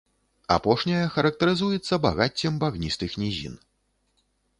Апошняя характарызуецца багаццем багністых нізін.